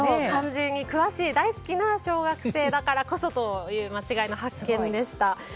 漢字に詳しい大好きな小学生だからこそという間違いの発見でした。